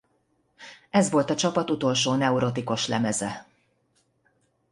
Ez volt a csapat utolsó Neurotic-os lemeze.